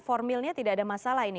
formilnya tidak ada masalah ini